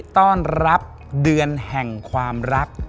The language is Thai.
ต้อนรับเดือนแห่งความรัก